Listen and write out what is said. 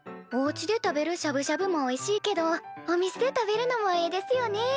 おうちで食べるしゃぶしゃぶもおいしいけどお店で食べるのもええですよね。